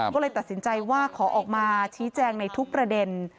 ก็เลยตัดสินใจว่าขอออกมาชี้แจงในทุกประเด็น